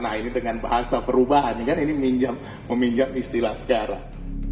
nah ini dengan bahasa perubahan ini kan meminjam istilah sekarang